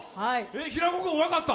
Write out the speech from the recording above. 平子君、分かった？